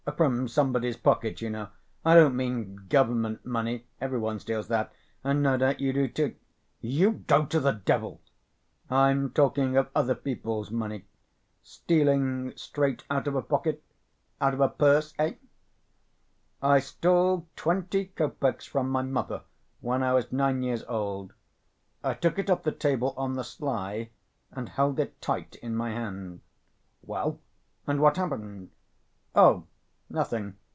From somebody's pocket, you know. I don't mean government money, every one steals that, and no doubt you do, too...." "You go to the devil." "I'm talking of other people's money. Stealing straight out of a pocket? Out of a purse, eh?" "I stole twenty copecks from my mother when I was nine years old. I took it off the table on the sly, and held it tight in my hand." "Well, and what happened?" "Oh, nothing.